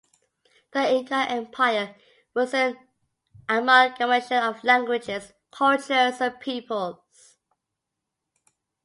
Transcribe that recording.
The Inca Empire was an amalgamation of languages, cultures and peoples.